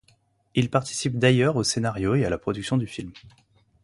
Il participe d'ailleurs au scénario et à la production du film.